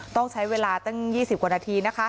ต้องใช้เวลาตั้ง๒๐กว่านาทีนะคะ